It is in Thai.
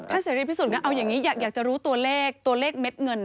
ถ้าเสร็จรีบพิสูจน์เอาอย่างนี้อยากจะรู้ตัวเลขเม็ดเงิน